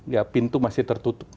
ya pintu masih tertutup